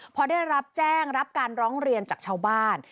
พอได้รับแจ้งรับการร้องเรียนจากชาวบ้าน